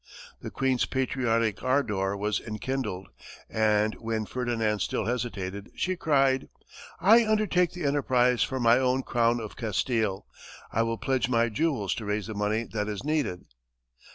The queen's patriotic ardor was enkindled, and when Ferdinand still hesitated, she cried, "I undertake the enterprise for my own crown of Castile. I will pledge my jewels to raise the money that is needed!"